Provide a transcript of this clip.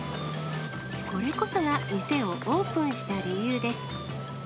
これこそが店をオープンした理由です。